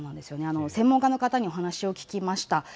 専門家の方に話を聞きました。